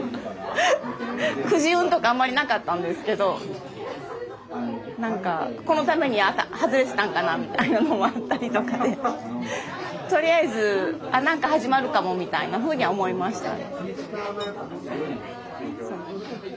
くじ運とかあんまりなかったんですけど何かこのために外れてたんかなみたいなのもあったりとかでとりあえずあ何か始まるかもみたいなふうには思いましたね。